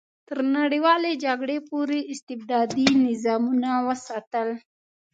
تر نړیوالې جګړې پورې استبدادي نظامونه وساتل.